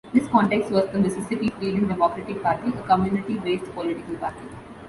This context was the Mississippi Freedom Democratic Party, a community based political party.